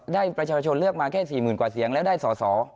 ประชาชนเลือกมาแค่๔๐๐๐กว่าเสียงแล้วได้สอสอ